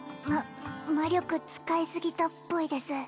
ま魔力使いすぎたっぽいです